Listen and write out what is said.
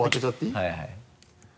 はいはい。